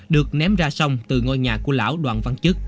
được ném ra sông từ ngôi nhà của lão đoàn văn chức